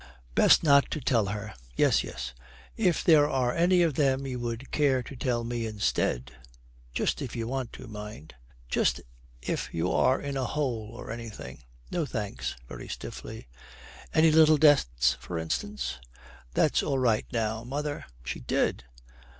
'Best not to tell her.' 'Yes yes. If there are any of them you would care to tell me instead just if you want to, mind just if you are in a hole or anything?' 'No thanks,' very stiffly. 'Any little debts, for instance?' 'That's all right now. Mother ' 'She did?'